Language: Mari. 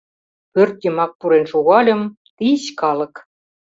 Пӧрт йымак пурен шогальым — тич калык.